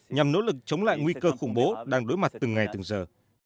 nhằm nỗ lực chống lại nguy cơ khủng bố đang đối mặt từng ngày từng giờ